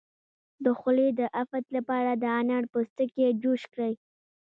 د خولې د افت لپاره د انار پوستکی جوش کړئ